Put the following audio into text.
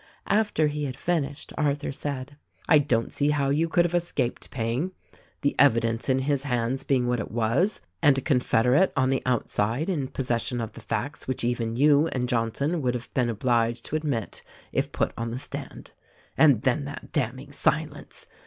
After he had finished Arthur said, "I don't see how you could have escaped paying, — the evidence in his hands being what it was, and a confederate on the outside in possession of the facts which even you and Johnson would have been obliged to admit, if put on the stand. "And then that damning silence